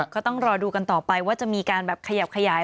ก็ต้องรอดูกันต่อไปว่าจะมีการแบบขยับขยาย